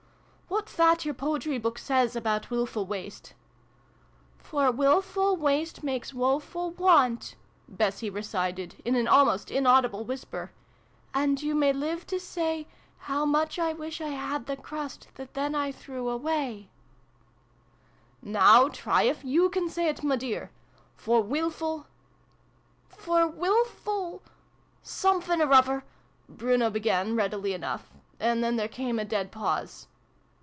" W T hat's that your poetry book says about wilful waste ?" "For wilful waste makes woeful want" Bessie recited, in an almost inaudible whisper: "and you may live to say ' How much I wish 1 had the crust that then I threw away /' v] MATILDA JANE. 69 " Now try if you can say it, my dear ! For wilful "For wifful siimfinoruvver " Bruno be gan, readily enough ; and then there came a dead pause.